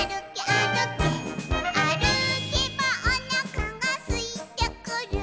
「あるけばおなかがすいてくる」